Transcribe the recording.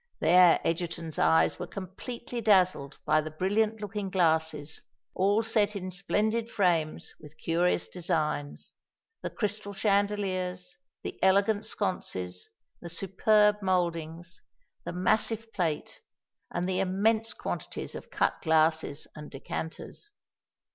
There Egerton's eyes were completely dazzled by the brilliant looking glasses, all set in splendid frames with curious designs—the crystal chandeliers—the elegant sconces—the superb mouldings—the massive plate—and the immense quantities of cut glasses and decanters.